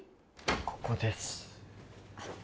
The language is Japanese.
ここです